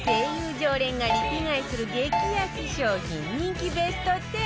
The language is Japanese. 常連がリピ買いする激安商品人気ベスト１０